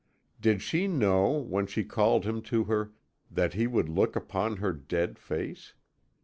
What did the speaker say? "Did she know, when she called him to her, that he would look upon her dead face?